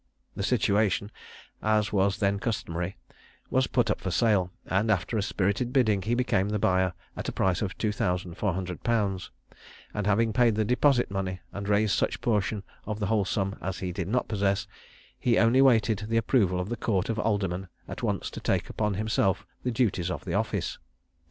The situation, as was then customary, was put up for sale, and after a spirited bidding, he became the buyer at a price of two thousand four hundred pounds; and having paid the deposit money, and raised such portion of the whole sum as he did not possess, he only waited the approval of the Court of Aldermen at once to take upon himself the duties of the office.